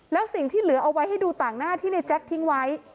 แล้วสิ่งที่เหลือเอาไว้ให้ดูต่างหน้าที่ในแจ๊คทิ้งไว้